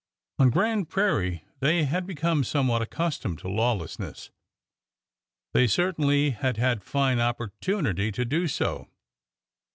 On Grand Prairie they had become somewhat accustomed to law lessness— they certainly had had fine opportunity to do so.